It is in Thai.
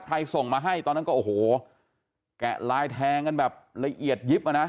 ส่งมาให้ตอนนั้นก็โอ้โหแกะลายแทงกันแบบละเอียดยิบอ่ะนะ